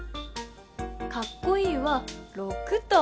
「かっこいい」は６と。